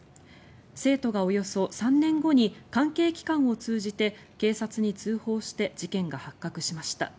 生徒がおよそ３年後に関係機関を通じて警察に通報して事件が発覚しました。